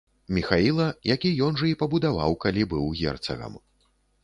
Міхаіла, які ён жа і пабудаваў, калі быў герцагам.